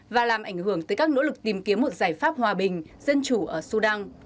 và làm ảnh hưởng tới các nỗ lực tìm kiếm một giải pháp hòa bình dân chủ ở sudan